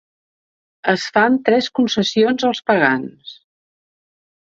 Es fan tres concessions als pagans.